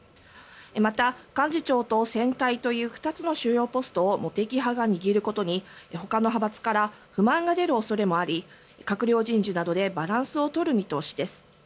また、幹事長と選対という２つの主要ポストを茂木派が握ることにほかの派閥から不満が出る恐れもあり閣僚人事などでバランスを取る見通しです。